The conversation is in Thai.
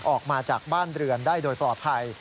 ออกมาจากบ้านเรือนได้โดยปลอดภัย